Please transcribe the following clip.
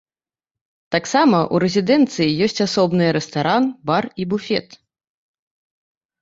Таксама ў рэзідэнцыі ёсць асобныя рэстаран, бар і буфет.